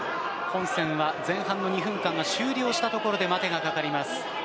本戦は前半の２分間が終了したところで待てがかかります。